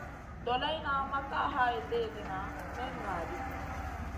Doleyna ma ka hay léhdéna may ŋah ɗi.